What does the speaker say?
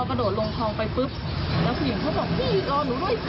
อ่าเขาก็โดดลงคลองไปปุ๊บแล้วผิวเขาบอกพี่เอาหนูด้วยสิอะไรอย่างเงี้ย